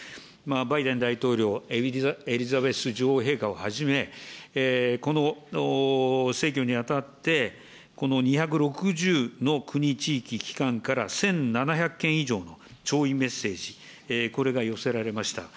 バイデン大統領、エリザベス女王陛下をはじめ、この逝去にあたって、この２６０の国、地域、機関から１７００件以上の弔意メッセージ、これが寄せられました。